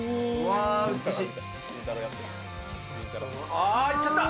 あ、いっちゃった。